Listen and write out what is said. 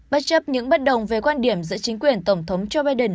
bất chấp những bất đồng về quan điểm giữa chính quyền tổng thống joe biden